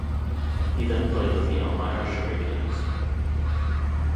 He then played with the Elmira Sugar Kings.